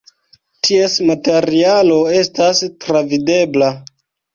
Ties materialo estas travidebla.